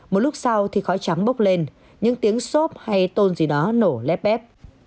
một lúc sau thì khói trắng bốc lên những tiếng xốp hay tôn gì đó nổ lép bép